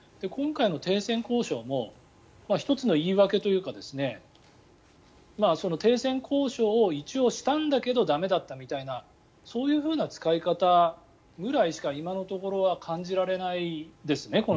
今回の停戦交渉も１つの言い訳というか停戦交渉を一応したんだけど駄目だったみたいなそういうふうな使い方くらいしか今のところは感じられないですね。